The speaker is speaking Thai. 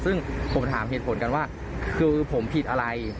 ซึ่งผมถามเหตุผลกันว่าคือผมผิดอะไร